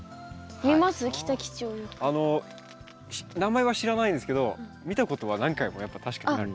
あの名前は知らないんですけど見たことは何回もやっぱ確かにある。